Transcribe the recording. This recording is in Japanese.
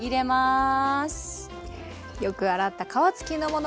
よく洗った皮付きのもの